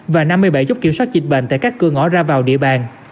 và năm mươi bảy chốt kiểm soát dịch bệnh tại các cửa ngõ ra vào địa bàn